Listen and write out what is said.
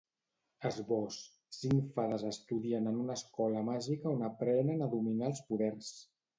Esbós: Cinc fades estudien en una escola màgica on aprenen a dominar els poders.